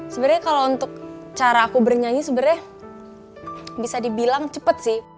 sebenarnya kalau untuk cara aku bernyanyi sebenarnya bisa dibilang cepet sih